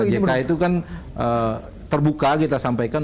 pak jk itu kan terbuka kita sampaikan